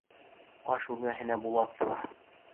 Аш бүлмәһенән Булат сыға.